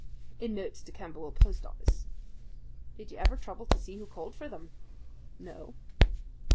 "In notes to Camberwell post office." "Did you ever trouble to see who called for them?" "No."